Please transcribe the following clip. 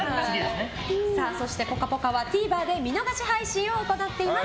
「ぽかぽか」はＴＶｅｒで見逃し配信を行っています。